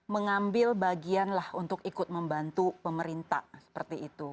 mengambil bagianlah untuk ikut membantu pemerintah seperti itu